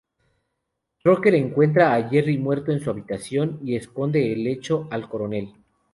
Crocker encuentra a Jerry muerto en su habitación, y esconde el hecho al Coronel.